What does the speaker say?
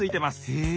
へえ。